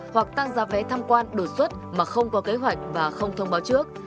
hoặc tăng giá vé tham quan đột xuất mà không có kế hoạch và không thông báo trước